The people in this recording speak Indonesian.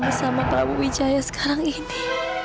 bersama prabu wijaya sekarang ini